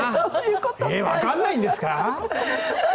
分からないんですか？